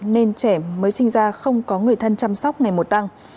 nên trẻ mới sinh ra không có người thân chăm sóc ngày một tăng